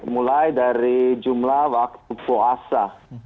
mulai dari jumlah waktu puasa